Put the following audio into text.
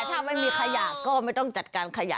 ถ้าไม่มีขยะก็ไม่ต้องจัดการขยะ